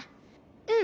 うん！